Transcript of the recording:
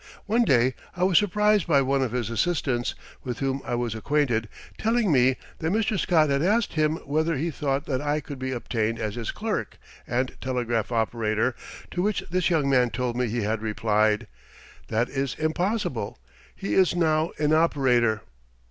One day I was surprised by one of his assistants, with whom I was acquainted, telling me that Mr. Scott had asked him whether he thought that I could be obtained as his clerk and telegraph operator, to which this young man told me he had replied: "That is impossible. He is now an operator."